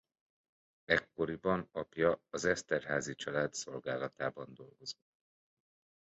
Ekkoriban apja az Esterházy család szolgálatában dolgozott.